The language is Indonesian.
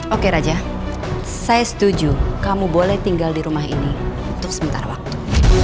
oke raja saya setuju kamu boleh tinggal di rumah ini untuk sementara waktu